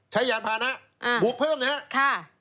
ยานพานะบุกเพิ่มนะครับ